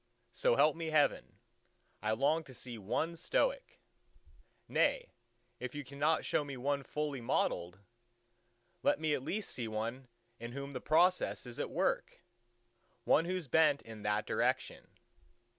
So help me Heaven, I long to see one Stoic! Nay, if you cannot show me one fully modelled, let me at least see one in whom the process is at work—one whose bent is in that direction.